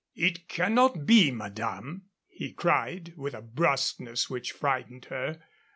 "It cannot be, madame," he cried, with a brusqueness which frightened her.